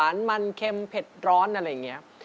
เที่ยวหวานมันเค็มเผ็ดร้อนอะไรอย่างเงี้ย